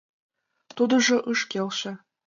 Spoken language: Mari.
Тудыжо ыш келше.